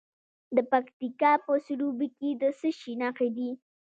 د پکتیکا په سروبي کې د څه شي نښې دي؟